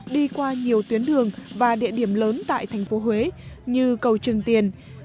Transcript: đi qua nhiều tuyến đường và địa điểm lớn tại thành phố huế như cầu trường tiền